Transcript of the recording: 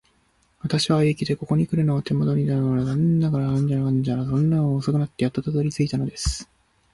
私は雪でここにくるのを手間取りたくなかったのだが、残念ながら何度か道に迷ってしまい、そのためにこんなに遅くなってやっと着いたのです。